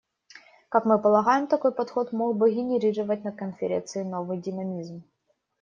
Как мы полагаем, такой подход мог бы генерировать на Конференции новый динамизм.